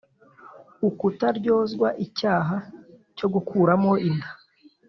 ukutaryozwa icyaha cyo gukuramo inda